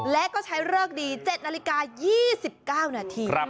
และก็ใช้เลิกดี๗นาฬิกา๒๙นาที